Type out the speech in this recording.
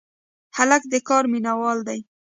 هلک د کار مینه وال دی.